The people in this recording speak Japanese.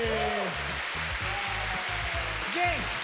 元気！